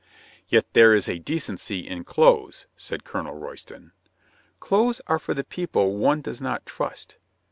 "Yet there is a decency in clothes," said Colonel Royston. "Clothes are for the people one does not trust.